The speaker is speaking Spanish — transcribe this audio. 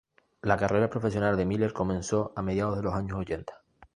La carrera profesional de Miller comenzó a mediados de los años ochenta.